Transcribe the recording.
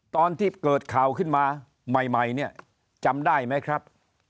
ตอนที่เกิดข่าวขึ้นมาใหม่เนี่ยจำได้ไหมครับ